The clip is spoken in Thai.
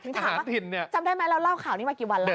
ถึงถามว่าจำได้มั้ยเราเล่าข่าวนี้ละกี่วันแล้ว